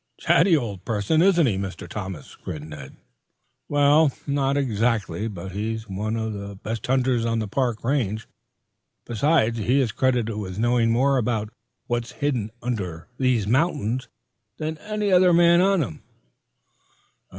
"Chatty old person, isn't he, Mr. Thomas?" grinned Ned. "Well, not exactly. But he's one of the best hunters on the Park Range. Besides, he is credited with knowing more about what's hidden under these mountains than any other man on them.